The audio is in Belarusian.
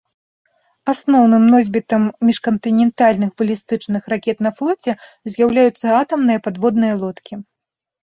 Асноўным носьбітам міжкантынентальных балістычных ракет на флоце з'яўляюцца атамныя падводныя лодкі.